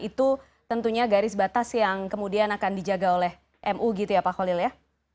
itu tentunya garis batas yang kemudian akan dijaga oleh mu gitu ya pak kholil ya